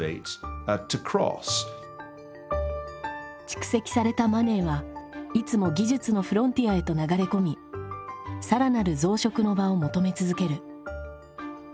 蓄積されたマネーはいつも技術のフロンティアへと流れ込み更なる増殖の場を求め続ける。